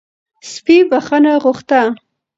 سپي بښنه غوښته